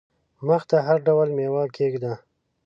مخ ته هر ډول مېوه کښېږده !